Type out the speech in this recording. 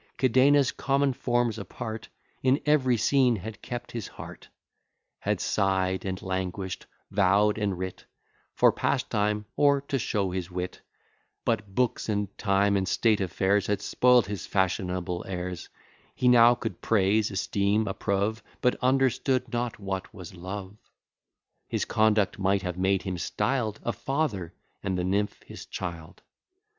Cadenus, common forms apart, In every scene had kept his heart; Had sigh'd and languish'd, vow'd and writ, For pastime, or to show his wit, But books, and time, and state affairs, Had spoil'd his fashionable airs: He now could praise, esteem, approve, But understood not what was love. His conduct might have made him styled A father, and the nymph his child.